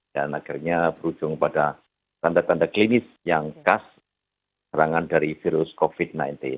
dan akhirnya berujung pada tanda tanda klinis yang khas serangan dari virus covid sembilan belas